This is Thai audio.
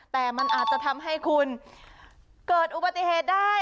แต่มันอาจจะทำให้คุณเกิดอุบัติเหตุได้